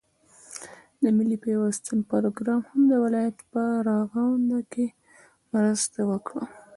د ملي پيوستون پروگرام هم د ولايت په رغاونه كې مرسته وكړه،